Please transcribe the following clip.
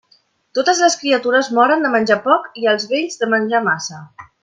Totes les criatures moren de menjar poc i els vells de menjar massa.